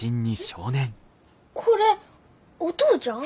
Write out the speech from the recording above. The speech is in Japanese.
えっこれお父ちゃん！？